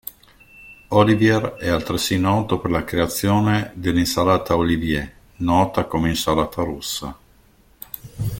Olivier è altresì noto per la creazione dell'insalata Olivier, nota come insalata russa.